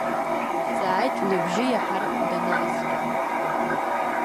Дҵааит лыбжьы иаҳартә данааскьа.